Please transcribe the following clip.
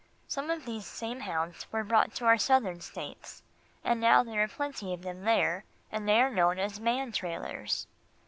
Some of these same hounds were brought to our Southern States, and now there are plenty of them there, and they are known as "man trailers."